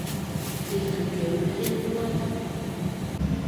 Тидлан кӧм перен пуат?